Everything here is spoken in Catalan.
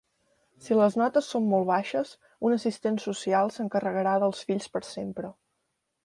Si les notes són molt baixes, un assistent social s'encarregarà dels fills per sempre.